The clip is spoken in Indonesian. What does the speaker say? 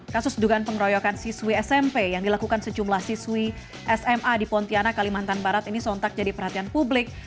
kasus dugaan pengeroyokan siswi smp yang dilakukan sejumlah siswi sma di pontianak kalimantan barat ini sontak jadi perhatian publik